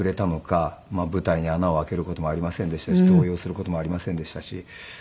舞台に穴を開けることもありませんでしたし動揺する事もありませんでしたし。